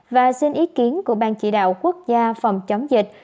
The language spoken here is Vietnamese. và xin ý kiến của ban chỉ đạo quốc gia phòng chống dịch